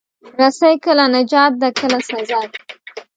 رسۍ کله نجات ده، کله سزا.